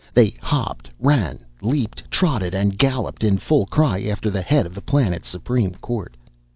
They hopped, ran, leaped, trotted and galloped in full cry after the head of the planet's supreme court.